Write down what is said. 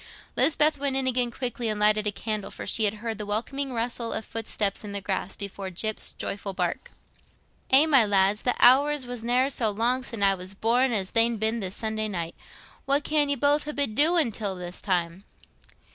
Lisbeth went in again quickly and lighted a candle, for she had heard the welcome rustling of footsteps on the grass, before Gyp's joyful bark. "Eh, my lads! Th' hours war ne'er so long sin' I war born as they'n been this blessed Sunday night. What can ye both ha' been doin' till this time?"